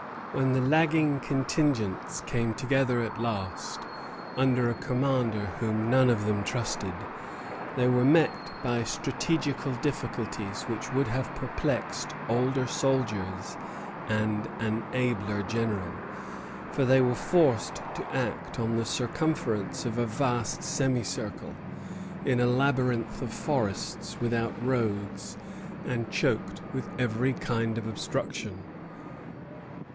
When the lagging contingents came together at last, under a commander whom none of them trusted, they were met by strategical difficulties which would have perplexed older soldiers and an abler general; for they were forced to act on the circumference of a vast semicircle, in a labyrinth of forests, without roads, and choked with every kind of obstruction.